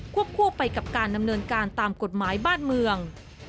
คู่ไปกับการดำเนินการตามกฎหมายบ้านเมือง